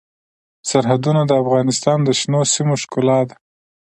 سرحدونه د افغانستان د شنو سیمو ښکلا ده.